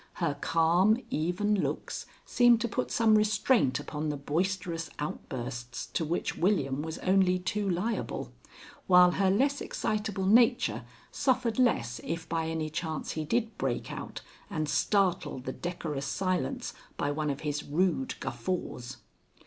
Her calm, even looks seemed to put some restraint upon the boisterous outbursts to which William was only too liable, while her less excitable nature suffered less if by any chance he did break out and startle the decorous silence by one of his rude guffaws.